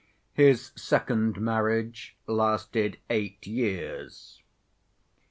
His second marriage lasted eight years.